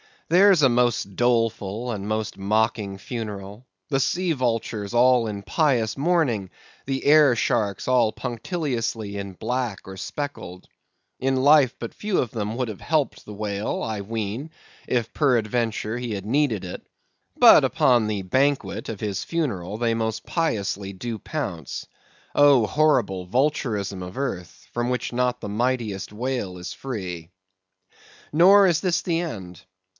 There's a most doleful and most mocking funeral! The sea vultures all in pious mourning, the air sharks all punctiliously in black or speckled. In life but few of them would have helped the whale, I ween, if peradventure he had needed it; but upon the banquet of his funeral they most piously do pounce. Oh, horrible vultureism of earth! from which not the mightiest whale is free. Nor is this the end.